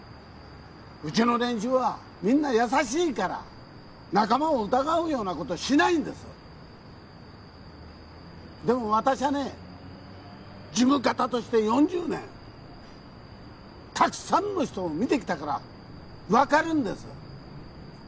うちの連中はみんな優しいから仲間を疑うようなことしないんですでも私はね事務方として四十年たくさんの人を見てきたから分かるんです